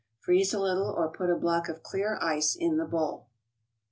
Freeze a little, or put a block of clear ice in the bowl.